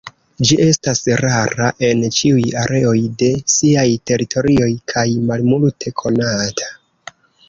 Ĝi estas rara en ĉiuj areoj de siaj teritorioj kaj malmulte konata.